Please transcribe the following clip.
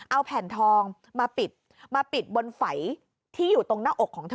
เอาแผ่นทองมาปิดมาปิดบนไฝที่อยู่ตรงหน้าอกของเธอ